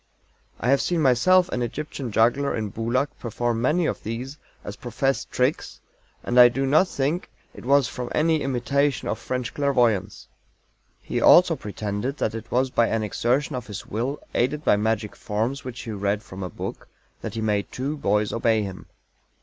I have seen myself an Egyptian juggler in Boulak perform many of these as professed tricks, and I do not think it was from any imitation of French clairvoyance. He also pretended that it was by an exertion of his Will, aided by magic forms which he read from a book, that he made two boys obey him.